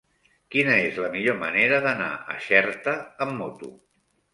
Quina és la millor manera d'anar a Xerta amb moto?